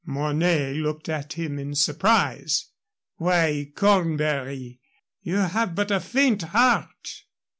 Mornay looked at him in surprise. "Why, Cornbury, you have but a faint heart!"